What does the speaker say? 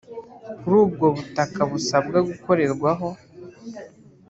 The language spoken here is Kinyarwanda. kuri ubwo butaka busabwa gukorerwaho